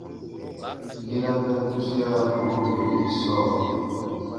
Yera na tusia kùro geni sɔɔ.